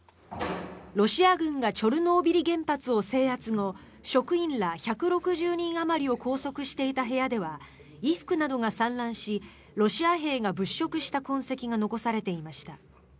ロシア軍がチョルノービリ原発を制圧後職員ら１６０人あまりを拘束していた部屋では衣服などが散乱しロシア兵が物色した痕跡が残されていました。